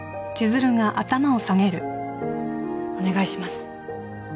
お願いします。